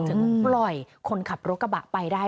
ถึงปล่อยคนขับรถกระบะไปได้